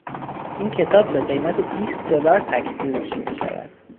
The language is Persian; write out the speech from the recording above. این کتاب به قیمت بیست دلار تک فروشی میشود.